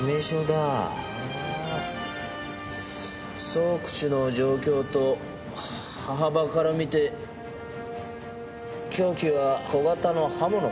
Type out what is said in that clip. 創口の状況と刃幅からみて凶器は小型の刃物だな。